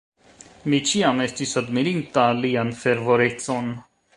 Mi ĉiam estis admirinta lian fervorecon.